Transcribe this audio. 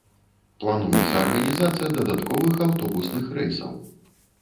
Плануецца арганізацыя дадатковых аўтобусных рэйсаў.